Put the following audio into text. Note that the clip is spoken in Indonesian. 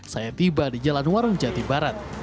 saya tiba di jalan warung jati barat